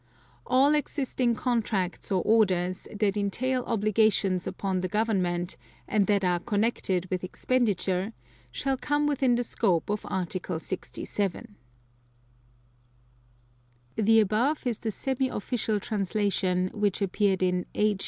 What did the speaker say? (2) All existing contracts or orders, that entail obligations upon the Government, and that are connected with expenditure, shall come within the scope of Article 67. (The above is the semi official translation, which appeared in H.